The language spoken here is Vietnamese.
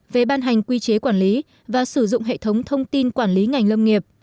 về ban hành quy chế quản lý và sử dụng hệ thống thông tin quản lý ngành lâm nghiệp